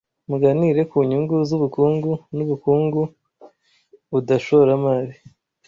Muganire ku nyungu zubukungu nubukungu budashoramari